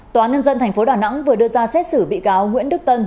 tòa nhân dân tp đà nẵng vừa đưa ra xét xử bị cáo nguyễn đức tân